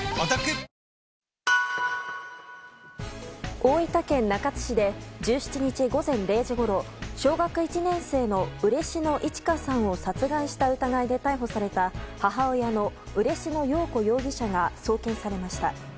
大分県中津市で１７日、午前０時ごろ小学１年生の嬉野いち花さんを殺害した疑いで逮捕された母親の嬉野陽子容疑者が送検されました。